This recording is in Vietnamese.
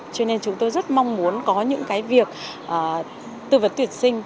cho nên chúng tôi rất mong muốn có những cái việc tư vấn tuyển sinh